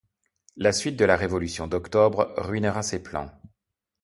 La suite de la révolution d'Octobre ruinera ses plans.